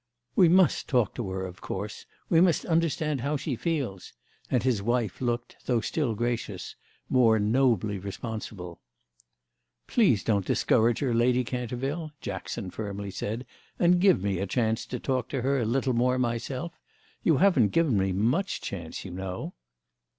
"We must talk to her of course; we must understand how she feels"—and his wife looked, though still gracious, more nobly responsible. "Please don't discourage her, Lady Canterville," Jackson firmly said; "and give me a chance to talk to her a little more myself. You haven't given me much chance, you know."